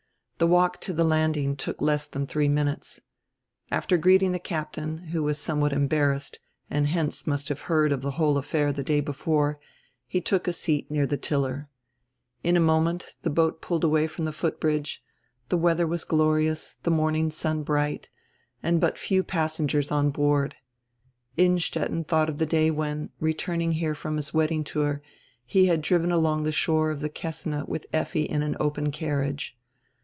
The walk to die landing took less dian diree minutes. After greeting die captain, who was somewhat embarrassed and hence must have heard of die whole affair die day be fore, he took a seat near die tiller. In a moment die boat pulled away from die foot bridge; the weadier was glori ous, the morning sun bright, and but few passengers on board. Innstetten diought of die day when, returning here from his wedding tour, he had driven along die shore of die Kessine with Effi in an open carriage.